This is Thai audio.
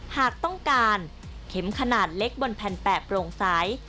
หากต้องการเข็มขนาดเล็กบนแผ่นแปะโปร่งใส